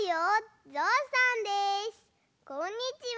こんにちは。